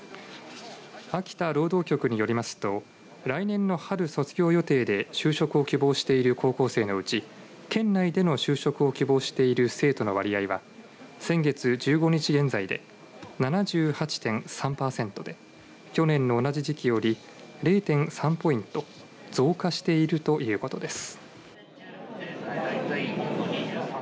秋田労働局によりますと来年の春卒業予定で就職を希望している高校生のうち県内での就職を希望している生徒の割合は先月１５日現在で７８．３パーセントで去年の同じ時期より０．３ポイント増加しているということです。